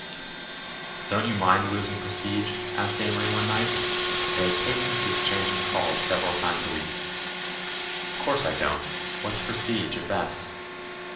"Don't you mind losing prestige?" asked Amory one night. They had taken to exchanging calls several times a week. "Of course I don't. What's prestige, at best?"